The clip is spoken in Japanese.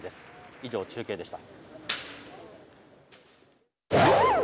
以上、中継でした。